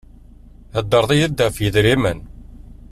Thedreḍ-iy-d ɣef yidrimen.